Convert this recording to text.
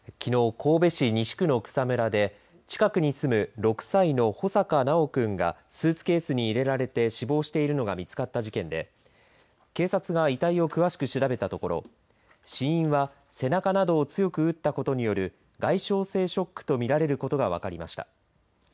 神戸市西区の草むらで近くに住む６歳の穂坂修くんがスーツケースに入れられて死亡しているのが見つかった事件で警察が遺体を詳しく調べたところ死因は背中などを強く打ったことによる外傷性ショックと見られることが分かりました。